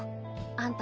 あんた